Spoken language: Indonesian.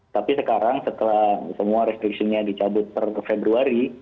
tapi sekarang setelah semua restriction nya dicabut per februari